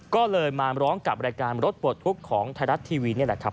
ก็เลยมาร้องกับรายการรถปลดทุกข์ของไทยรัฐทีวีนี่แหละครับ